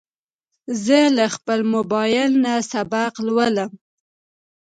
زه له خپل موبایل نه سبق لولم.